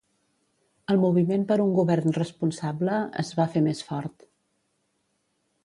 El moviment per un govern responsable es va fer més fort.